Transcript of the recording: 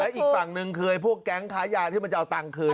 และอีกฝั่งนึกคือพวกแก๊งขายยาวที่มันจะเอาตังค์คืน